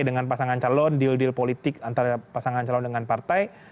dengan pasangan calon deal deal politik antara pasangan calon dengan partai